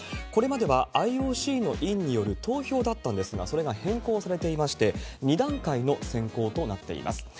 これまではＩＯＣの委員による投票だったんですが、それが変更されていまして、２段階の選考となっています。